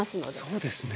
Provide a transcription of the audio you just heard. そうですね。